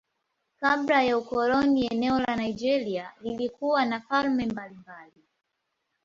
Kabla ya ukoloni eneo la Nigeria lilikuwa na falme mbalimbali.